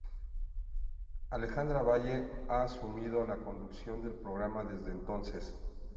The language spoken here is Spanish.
Alejandra Valle ha asumido la conducción del programa desde entonces.